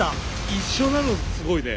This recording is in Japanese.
一緒なのすごいね。